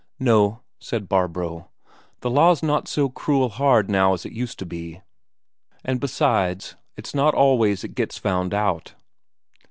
"No," said Barbro, "the law's not so cruel hard now as it used to be. And besides, it's not always it gets found out."